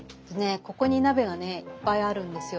ここに鍋がねいっぱいあるんですよ。